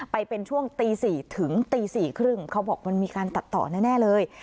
ไปเป็นช่วงตี๔ถึงตี๔๓๐เขาบอกมันมีการตัดต่อแน่เลย